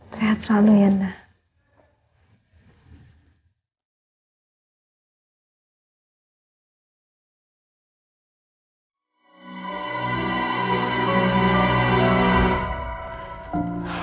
sehat selalu ya nak